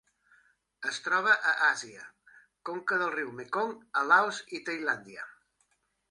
Es troba a Àsia: conca del riu Mekong a Laos i Tailàndia.